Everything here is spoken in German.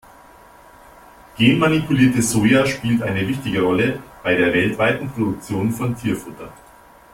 Genmanipuliertes Soja spielt eine wichtige Rolle bei der weltweiten Produktion von Tierfutter.